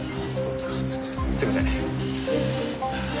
すいません。